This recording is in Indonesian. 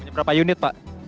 berapa unit pak